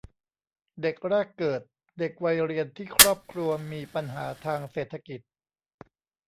เด็กแรกเกิด เด็กวัยเรียนที่ครอบครัวมีปัญหาทางเศรษฐกิจ